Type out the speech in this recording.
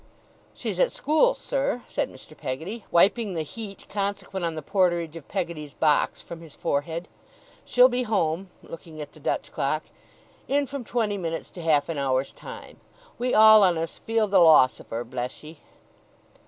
'She's at school, sir,' said Mr. Peggotty, wiping the heat consequent on the porterage of Peggotty's box from his forehead; 'she'll be home,' looking at the Dutch clock, 'in from twenty minutes to half an hour's time. We all on us feel the loss of her, bless ye!